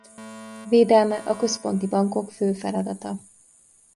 Védelme a központi bankok fő feladata.